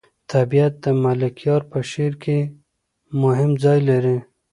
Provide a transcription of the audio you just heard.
طبیعت د ملکیار په شعر کې مهم ځای لري.